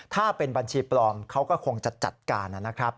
ถ้าเป็นบัญชีปลอมเขาก็คงจะจัดการนะครับ